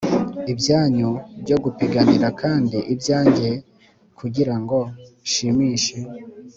ibyanyu byo gupiganira kandi ibyanjye kugirango nshimishe. '